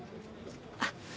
あっ！